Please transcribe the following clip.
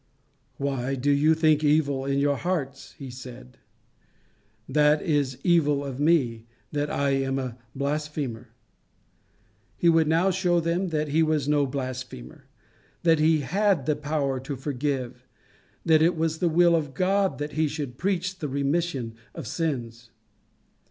"Why do you think evil in your hearts?" he said, that is, evil of me that I am a blasphemer. He would now show them that he was no blasphemer; that he had the power to forgive, that it was the will of God that he should preach the remission of sins.